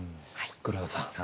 黒田さん。